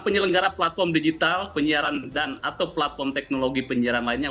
penyelenggaraan platform digital penyiaran atau platform teknologi penyiaran lainnya